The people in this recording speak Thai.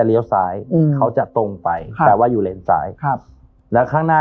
เลี้ยวซ้ายอืมเขาจะตรงไปแต่ว่าอยู่เลนซ้ายครับแล้วข้างหน้า